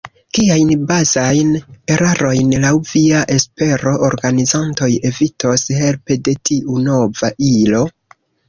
Kiajn bazajn erarojn, laŭ via espero, organizantoj evitos helpe de tiu nova ilo?